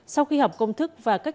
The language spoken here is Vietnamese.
sau khi học công thức và kế hoạch